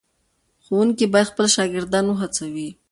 ښوونکي باید خپل شاګردان وهڅوي.